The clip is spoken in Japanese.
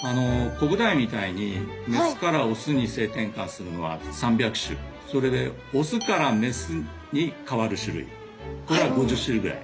コブダイみたいにメスからオスに性転換するのは３００種それでオスからメスに変わる種類これは５０種類ぐらい。